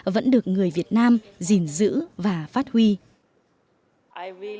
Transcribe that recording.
vẫn được người bạn việt nam thân thiết